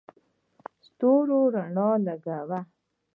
ستورو رڼا کوله.